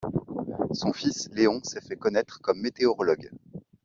Son fils Léon s’est fait connaitre comme météorologue.